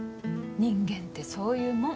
人間ってそういうもん